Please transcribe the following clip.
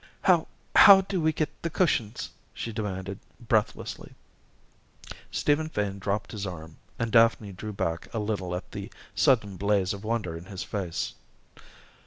"How how do we get the cushions?" she demanded breathlessly. Stephen Fane dropped his arm, and Daphne drew back a little at the sudden blaze of wonder in his face.